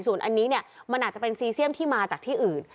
ส่วนอันนี้เนี่ยมันอาจจะเป็นซีเซียมที่มาจากที่อื่น